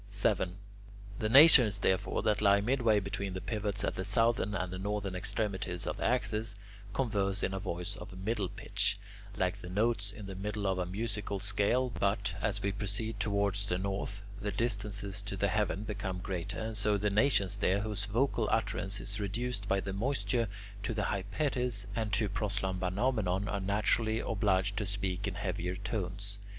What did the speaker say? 7. The nations, therefore, that lie midway between the pivots at the southern and the northern extremities of the axis, converse in a voice of middle pitch, like the notes in the middle of a musical scale; but, as we proceed towards the north, the distances to the heaven become greater, and so the nations there, whose vocal utterance is reduced by the moisture to the "hypates" and to "proslambanomenon," are naturally obliged to speak in heavier tones.